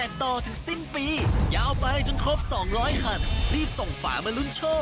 กติกาลุ่นหลาน